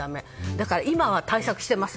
だから今は対策しています。